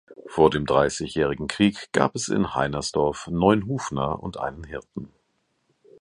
Vor dem Dreißigjährigen Krieg gab es in Heinersdorf neun Hufner und einen Hirten.